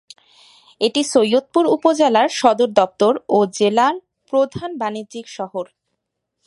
এটি সৈয়দপুর উপজেলার সদরদপ্তর ও জেলার প্রধান বাণিজ্যিক শহর।